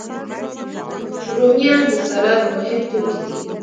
رومیان د سلاد مهم توکي دي